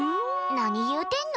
何言うてんの？